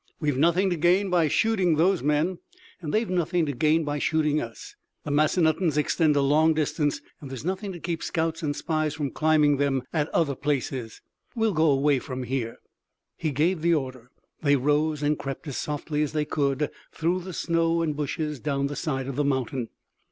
We've nothing to gain by shooting those men, and they've nothing to gain by shooting us. The Massanuttons extend a long distance and there's nothing to keep scouts and spies from climbing them at other places. We'll go away from here." He gave the order. They rose and crept as softly as they could through the snow and bushes down the side of the mountain.